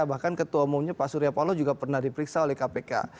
bahkan ketua umumnya pak surya paloh juga pernah diperiksa oleh kpk